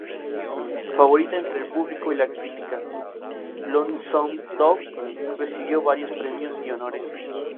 Favorita entre el público y la crítica, "Lonesome Dove" recibió varios premios y honores.